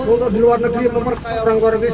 untuk di luar negeri memperkaya orang orang negeri